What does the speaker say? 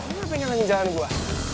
lo kenapa pengen nganjakan gua